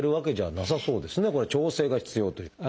これは調整が必要という。